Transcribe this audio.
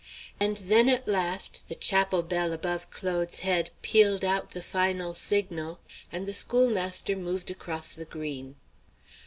And then, at last, the chapel bell above Claude's head pealed out the final signal, and the schoolmaster moved across the green.